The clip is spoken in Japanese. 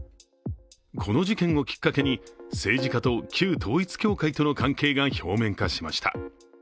この事件をきっかけに政治家と旧統一教会との関係が表面化しました。